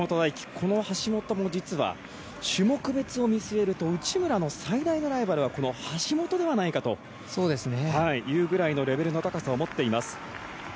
この橋本も実は種目別を見据えると内村の最大のライバルは橋本ではないかというぐらいのレベルの高さを持っています。